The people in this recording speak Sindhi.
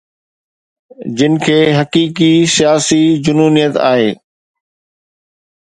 جن کي حقيقي سياسي جنونيت آهي